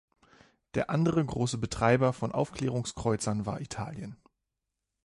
Der andere große Betreiber von Aufklärungskreuzern war Italien.